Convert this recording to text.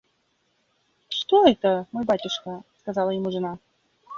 «Что это, мой батюшка? – сказала ему жена.